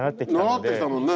習ってきたもんね。